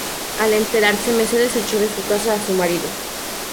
Al enterarse, Mercedes echó de casa a su marido.